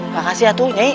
makasih atu nyai